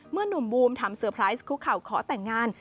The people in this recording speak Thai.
หนุ่มบูมทำเซอร์ไพรส์คุกเข่าขอแต่งงาน